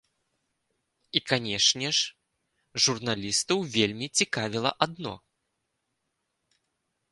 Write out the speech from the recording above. І, канешне ж, журналістаў вельмі цікавіла адно.